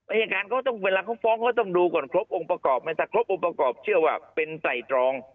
อายการเขาต้องเวลาเขาฟ้องเขาต้องดูก่อนครบองค์ประกอบไหมถ้าครบองค์ประกอบเชื่อว่าเป็นไตรตรอง